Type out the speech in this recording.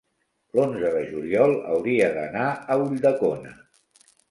l'onze de juliol hauria d'anar a Ulldecona.